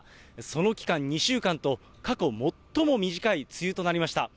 その期間、２週間と、過去最も短い梅雨となりました。